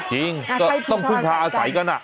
จริงก็ต้องพึ่งพาอาศัยกัน